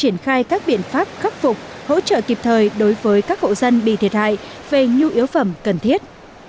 triển khai các biện pháp khắc phục hỗ trợ kịp thời đối với các hộ dân bị thiệt hại về nhu yếu phẩm cần thiết